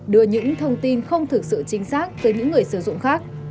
đưa những thông tin không thực sự chính xác tới những người sử dụng khác